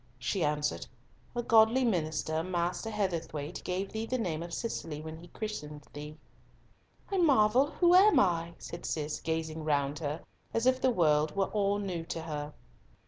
she answered, "A godly minister, Master Heatherthwayte, gave thee the name of Cicely when he christened thee." "I marvel who I am?" said Cis, gazing round her, as if the world were all new to her.